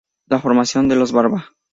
La formación de los "Barba".